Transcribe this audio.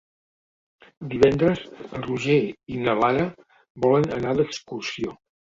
Divendres en Roger i na Lara volen anar d'excursió.